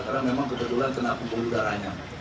karena memang kebetulan kena pembunuh darahnya